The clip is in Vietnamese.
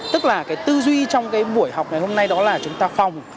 tức là tư duy trong buổi học ngày hôm nay đó là chúng ta phòng